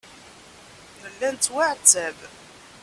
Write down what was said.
Nella nettwaɛettab.